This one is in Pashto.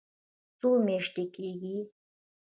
څو میاشتې کیږي؟